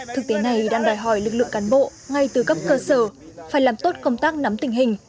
thực tế này đang đòi hỏi lực lượng cán bộ ngay từ cấp cơ sở phải làm tốt công tác nắm tình hình